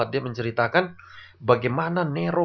dia menceritakan bagaimana nero